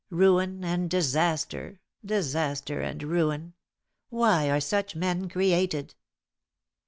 "Ruin and disaster. Disaster and ruin! Why are such men created?"